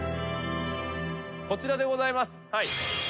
こちらでございます。